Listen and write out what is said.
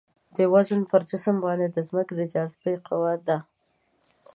وزن پر جسم باندې د ځمکې د جاذبې قوه ده.